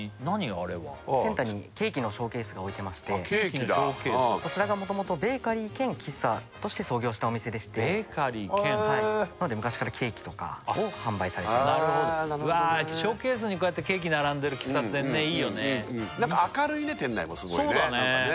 あれはセンターにケーキのショーケースが置いてましてこちらがもともとベーカリー兼喫茶として創業したお店でしてなので昔からケーキとか販売されてなるほどわあショーケースにこうやってケーキ並んでる喫茶店ねいいよねなんか明るいね店内もすごいねなんかね